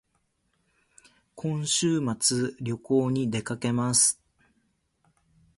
今週末旅行に出かけます